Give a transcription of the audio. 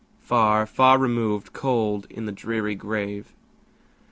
Far, far removed, cold in the dreary grave!